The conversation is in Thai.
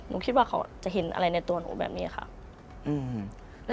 คิดว่าเขาจะเห็นอะไรในตัวหนูแบบนี้ค่ะ